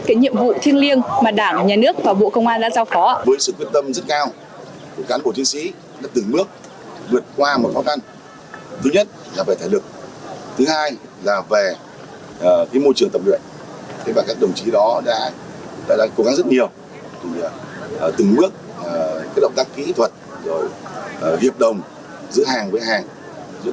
những nhiệm vụ thiên liêng mà đảng nhà nước và bộ công an đã giao phó